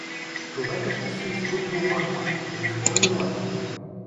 Човекът ще си изгуби ума — до избор ли му е.